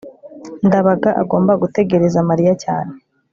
ndabaga agomba gutegereza mariya cyane